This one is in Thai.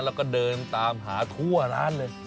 แล้วก็เดินตามหาทั่วร้านเลย